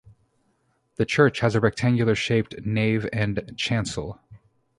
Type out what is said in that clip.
The Church has a rectangular-shaped nave and chancel.